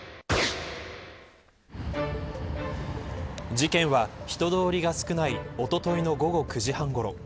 事件は、人通りが少ないおとといの午後９時半ごろ。